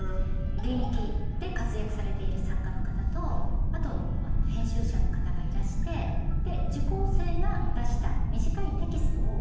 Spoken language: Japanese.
現役で活躍されている作家の方とあと編集者の方がいらして受講生が出した短いテキストを講評してくださる。